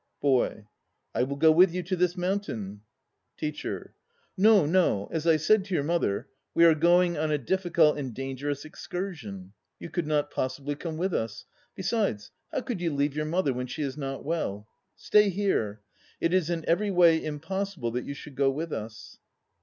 BOY. I will go with you to the mountains. TEACHER. No, no. As I said to your mother, we are going on a difficult and dangerous excursion. You could not possibly come with us. Be sides, how could you leave your mother when she is not well? Stay here. It is in every way impossible that you should go with us.